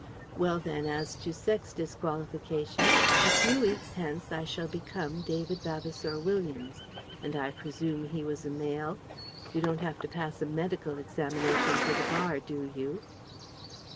Well then, as to sex disqualification, a few weeks hence I shall become David Vavasour Williams, and I presume he was a male? You don't have to pass a medical examination for the Bar, do you?"